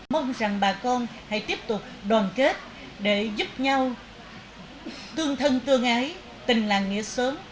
mong rằng bà con hãy tiếp tục đoàn kết để giúp nhau tương thân tương ái tình làng nghĩa sớm